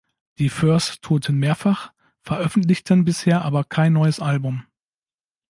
Die Furs tourten mehrfach, veröffentlichten bisher aber kein neues Album.